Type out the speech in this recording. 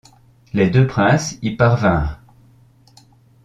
Les deux princes y parvinrent.